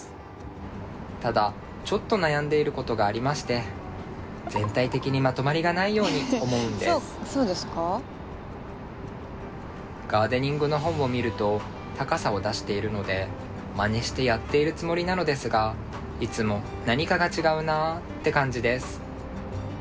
ただちょっと悩んでいることがありましてガーデニングの本を見ると高さを出しているのでまねしてやっているつもりなのですがいつも「何かが違うな」って感じです。